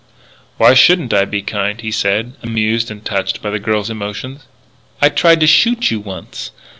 "Why shouldn't I be kind?" he said, amused and touched by the girl's emotion. "I tried to shoot you once.